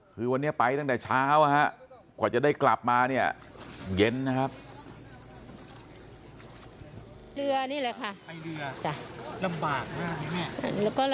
คือวันนี้ไปตั้งแต่เช้ากว่าจะได้กลับมาเนี่ยเย็นนะครับ